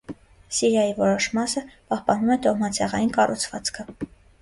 Սիրիայի որոշ մասը պահպանում է տոհմացեղային կառուցվածքը։